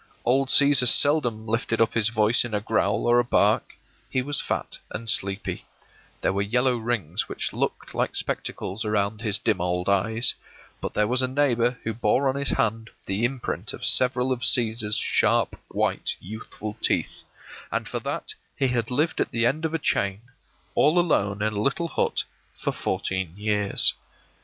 Old Cæsar seldom lifted up his voice in a growl or a bark; he was fat and sleepy; there were yellow rings which looked like spectacles around his dim old eyes; but there was a neighbor who bore on his hand the imprint of several of Cæsar's sharp white youthful teeth, and for that he had lived at the end of a chain, all alone in a little hut, for fourteen years.